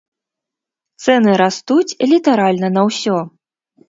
Цэны растуць літаральна на ўсё.